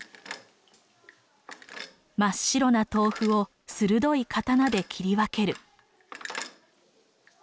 真っ白な豆腐を鋭い刀で切り分ける。